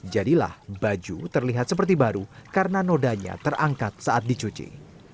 jadilah baju terlihat seperti baru karena nodanya terangkat saat dicuci